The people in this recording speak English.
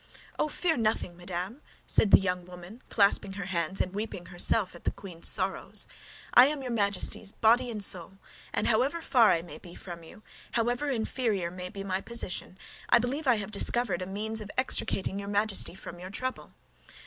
"Oh, fear nothing, madame!" said the young woman, clasping her hands and weeping herself at the queen's sorrows; "I am your Majesty's, body and soul, and however far I may be from you, however inferior may be my position, I believe I have discovered a means of extricating your Majesty from your trouble."